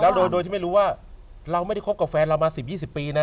โดยที่ไม่รู้ว่าเราไม่ได้คบกับแฟนเรามา๑๐๒๐ปีนะ